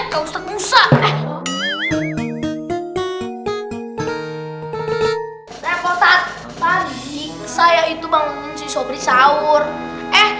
gak usah kusah eh repotat tadi saya itu bangun si sobri saur eh